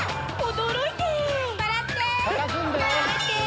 驚いて！